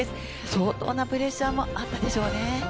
相当なプレッシャーもあったでしょうね。